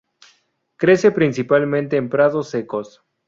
Crece principalmente en prados secos.